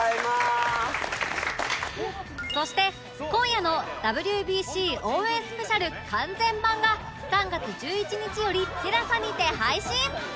そして今夜の ＷＢＣ 応援 ＳＰ 完全版が３月１１日より ＴＥＬＡＳＡ にて配信